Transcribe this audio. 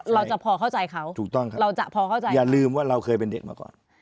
เราจะพอเข้าใจเขาถูกต้องครับเราจะพอเข้าใจอย่าลืมว่าเราเคยเป็นเด็กมาก่อน